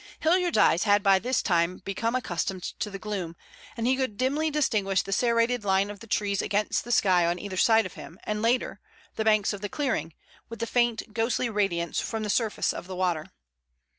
Hilliard's eyes had by this time become accustomed to the gloom, and he could dimly distinguish the serrated line of the trees against the sky on either side of him, and later, the banks of the clearing, with the faint, ghostly radiance from the surface of the water.